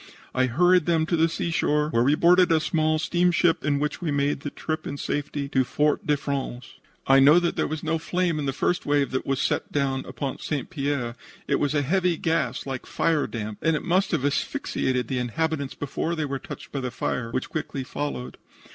I hurried them to the seashore, where we boarded a small steamship, in which we made the trip in safety to Fort de France. "I know that there was no flame in the first wave that was sent down upon St. Pierre. It was a heavy gas, like firedamp, and it must have asphyxiated the inhabitants before they were touched by the fire, which quickly followed.